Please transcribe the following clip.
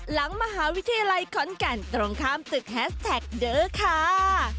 หลังมหาวิทยาลัยขอนแก่นตรงข้ามตึกแฮสแท็กเด้อค่ะ